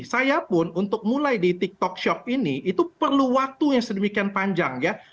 saya pun untuk mulai di tiktok shop ini itu perlu waktunya sedemikian panjang